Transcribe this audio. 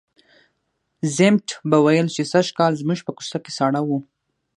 ضمټ به ویل چې سږکال زموږ په کوڅه کې ساړه وو.